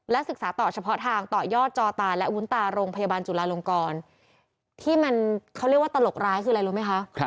ศึกษาต่อเฉพาะทางต่อยอดจอตาและวุ้นตาโรงพยาบาลจุลาลงกรที่มันเขาเรียกว่าตลกร้ายคืออะไรรู้ไหมคะ